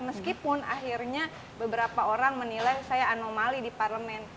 meskipun akhirnya beberapa orang menilai saya anomali di parlemen